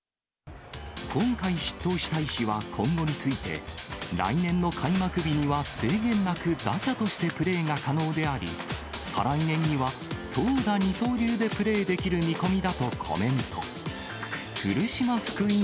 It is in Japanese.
今回執刀した医師は、今後について、来年の開幕日には制限なく打者としてプレーが可能であり、再来年には投打二刀流でプレーできる見込みだとコメント。